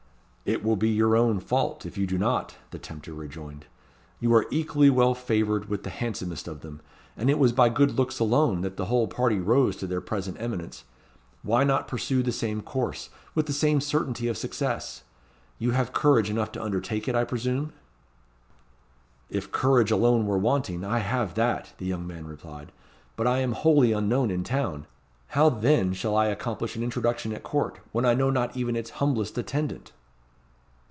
"It will be your own fault if you do not," the tempter rejoined. "You are equally well favoured with the handsomest of them; and it was by good looks alone that the whole party rose to their present eminence. Why not pursue the same course; with the same certainty of success? You have courage enough to undertake it, I presume?" "If courage alone were wanting, I have that," the young man replied; "but I am wholly unknown in town. How then shall I accomplish an introduction at Court, when I know not even its humblest attendant?"